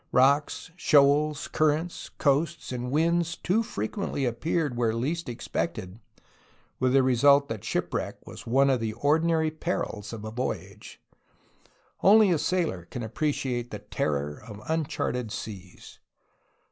Rocks, shoals, currents, coasts, and winds too frequently appeared where least expected, with the result that shipwreck was one of the ordinary perils of a voyage; only a sailor can appreciate the terror of uncharted seas!